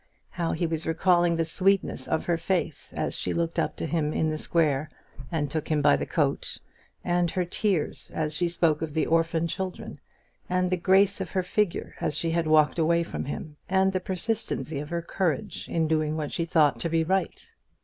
how he was recalling the sweetness of her face as she looked up to him in the square, and took him by his coat, and her tears as she spoke of the orphan children, and the grace of her figure as she had walked away from him, and the persistency of her courage in doing what she thought to be right!